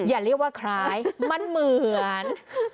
อย่าเรียกว่าคล้ายมันเหมือน